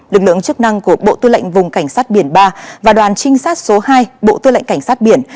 lực lượng chức năng của bộ tư lệnh vùng cảnh sát biển ba và đoàn trinh sát số hai bộ tư lệnh cảnh sát biển